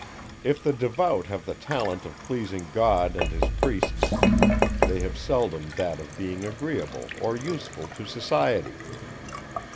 If the devout have the talent of pleasing God and his priests, they have seldom that of being agreeable or useful to society.